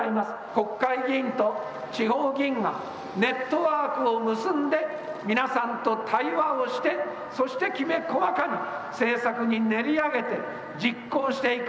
国会議員と地方議員がネットワークを結んで皆さんと対話をして、そしてきめ細かに政策に練り上げて実行していく。